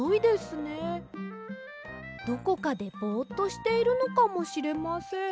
どこかでボっとしているのかもしれません。